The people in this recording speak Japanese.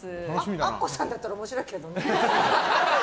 アッコさんだったら面白いけどね。